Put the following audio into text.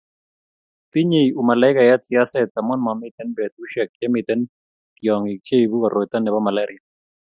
tinyei umalaikayat siaset amu mamiten betushiek chemiten tyongik cheibu korot nebo malaria